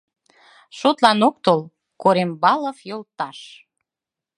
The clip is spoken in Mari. Шотлан ок тол, Корембалов йолташ...